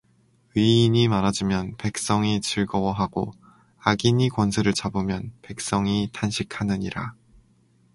의인이 많아지면 백성이 즐거워하고 악인이 권세를 잡으면 백성이 탄식하느니라